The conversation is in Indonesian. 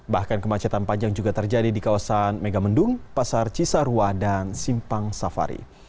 bahkan kemacetan panjang juga terjadi di kawasan megamendung pasar cisarua dan simpang safari